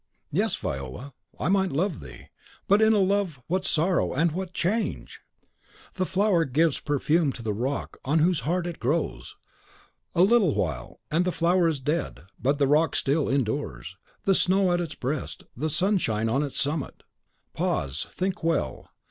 "Yes, Viola, I might love thee; but in that love what sorrow and what change! The flower gives perfume to the rock on whose heart it grows. A little while, and the flower is dead; but the rock still endures, the snow at its breast, the sunshine on its summit. Pause, think well.